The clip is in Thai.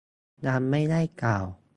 ยังไม่ได้กล่าว